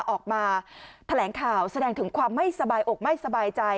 ออกมาแถลงข่าวแสดงถึงความไม่สบายอกไม่สบายใจ